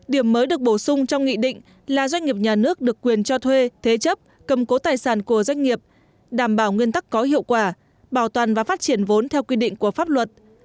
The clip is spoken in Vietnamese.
điểm mới được bổ sung trong nghị định là doanh nghiệp nhà nước được quyền cho thuê thế chấp cầm cố tài sản của doanh nghiệp đảm bảo nguyên tắc có hiệu quả bảo toàn và phát triển vốn theo quy định của pháp luật